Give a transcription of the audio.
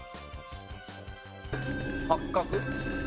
八角。